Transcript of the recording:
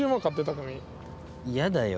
嫌だよ。